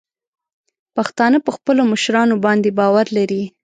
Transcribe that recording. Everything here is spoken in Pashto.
پښتانه په خپلو مشرانو باندې باور لري.